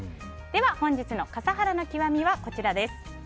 では、本日の笠原の極みはこちらです。